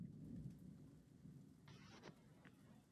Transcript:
ag‘darish va sotsializmni yo‘q qilish istagida ayblash bilan barobardir